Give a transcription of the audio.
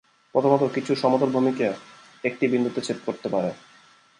প্রথমত, কিছু সমতল ভূমিকে একটি বিন্দুতে ছেদ করতে পারে।